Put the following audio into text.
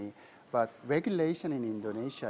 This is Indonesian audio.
tapi peraturan di indonesia